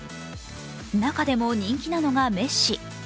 中でも人気なのがメッシ。